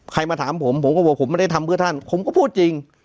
มาถามผมผมก็บอกผมไม่ได้ทำเพื่อท่านผมก็พูดจริง